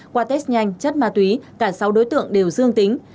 qua test nhanh chất ma túy cả sáu đối tượng đều dương tính